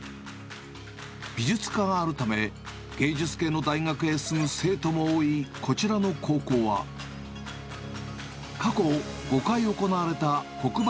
美術科があるため、芸術系の大学へ進む生徒も多いこちらの高校は、過去５回行われた黒板